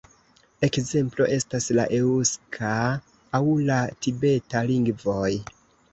Ekzemplo estas la eŭska aŭ la tibeta lingvoj.